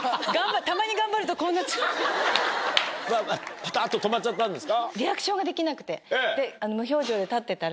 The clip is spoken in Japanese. ピタっと止まっちゃったんですか？